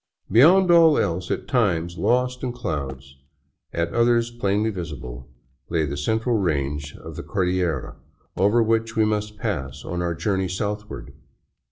Beyond all else, at times lost in clouds, at others plainly visible, lay the central range of the Cordillera over which we must pass on our journey southward.